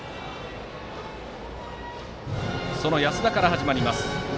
その安田から始まります。